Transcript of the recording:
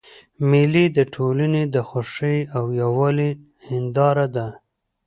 مېلې د ټولني د خوښۍ او یووالي هنداره ده.